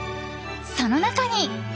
その中に。